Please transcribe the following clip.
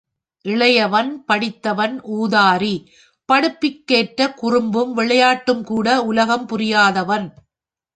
இளையவன் படித்தவன் ஊதாரி, படிப்புக்கேற்ற குறும்பும் விளையாட்டும்கூட, உலகம் புரியாதவன்.